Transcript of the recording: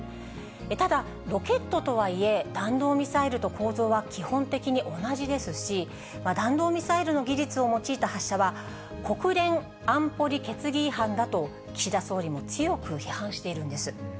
ただ、ロケットとはいえ、弾道ミサイルと構造は基本的に同じですし、弾道ミサイルの技術を用いた発射は、国連安保理決議違反だと、岸田総理も強く批判しているんです。